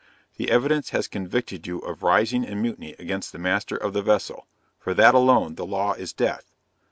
The evidence has convicted you of rising in mutiny against the master of the vessel, for that alone, the law is DEATH!